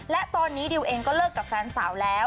และตอนนี้ดิวเองก็เลิกกับแฟนสาวแล้ว